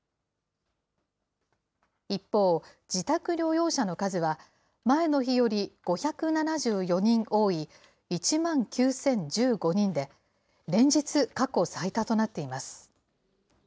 一方、自宅療養者の数は前の日より５７４人多い１万９０１５人で、連日過去最多となっています。